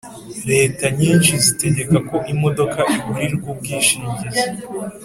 Leta nyinshi zitegeka ko imodoka igurirwa ubwishingizi